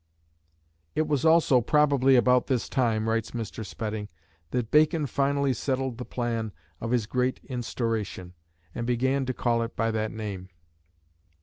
"It was also probably about this time," writes Mr. Spedding, "that Bacon finally settled the plan of his 'Great Instauration,' and began to call it by that name."